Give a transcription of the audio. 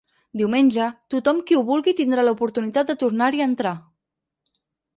Diumenge, tothom qui ho vulgui tindrà l’oportunitat de tornar-hi a entrar.